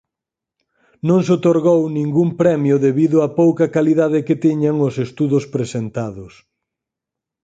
Non se outorgou ningún premio debido á pouca calidade que tiñan os estudos presentados.